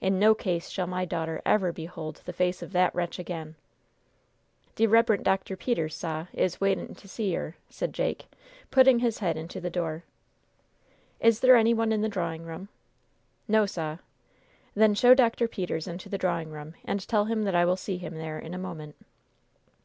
In no case shall my daughter ever behold the face of that wretch again!" "De Reberent Dr. Peters, sah, is waitin' to see yer," said Jake, putting his head into the door. "Is there any one in the drawing room?" "No, sah." "Then show Dr. Peters into the drawing room, and tell him that I will see him there in a moment."